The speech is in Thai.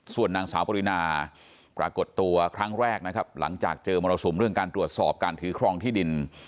ส่วนนางสาวปรินาปรากฏตัวครั้งแรกนะครับหลังจากเจอมรสุมเรื่องการตรวจสอบการถือครองที่ดิน